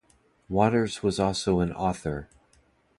Waters was also an author.